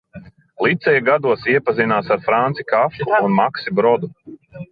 Liceja gados iepazinās ar Franci Kafku un Maksi Brodu.